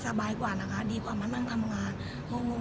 สบายกว่านะคะดีกว่ามานั่งทำงานงง